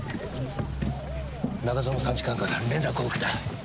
中園参事官から連絡を受けた。